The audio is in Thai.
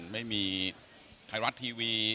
ไม่มีไทยรัฐทีวี